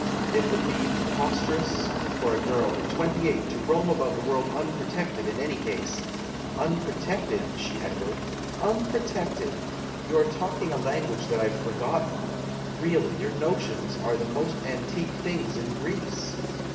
It would be pre posterous for a girl of twenty eight to roam about the world unprotected, in any case " "Unprotected?" she echoed, "unprotected? You are talking a language that I've forgotten. Really, your notions are the most antique things in Greece!"